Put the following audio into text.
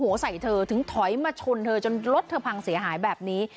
ใส่เธอถึงถอยมาชนเธอจนรถเธอพังเสียหายแบบนี้